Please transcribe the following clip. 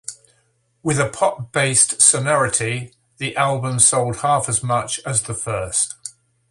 With a pop-based sonority, the album sold half as much as the first.